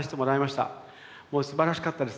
もうすばらしかったです。